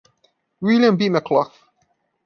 William B. McCulloch.